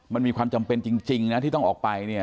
มันมีความจำเป็นจริงนะที่ต้องออกไปเนี่ย